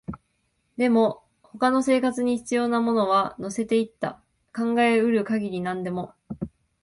でも、他の生活に必要なものは乗せていった、考えうる限り何でも